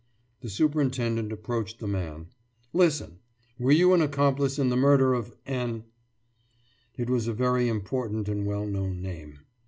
« The superintendent approached the man. »Listen! Were you an accomplice in the murder of N ?« It was a very important and well known name.